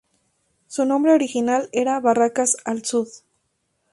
Su nombre original era Barracas al Sud.